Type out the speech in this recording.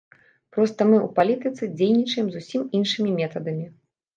Проста мы ў палітыцы дзейнічаем зусім іншымі метадамі.